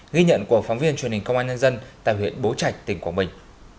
ghi nhận của phóng viên truyền hình công an nhân dân tại huyện bố trạch tỉnh quảng bình